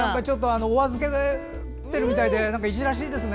お預けてる感じでいじらしいですね。